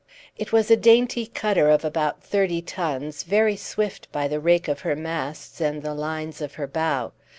It was a dainty cutter of about thirty tons, very swift by the rake of her masts and the lines of her bow.